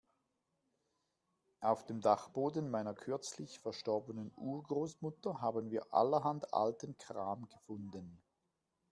Auf dem Dachboden meiner kürzlich verstorbenen Urgroßmutter haben wir allerhand alten Kram gefunden.